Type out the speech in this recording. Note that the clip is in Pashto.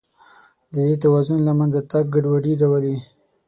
د دې توازن له منځه تګ ګډوډي راولي.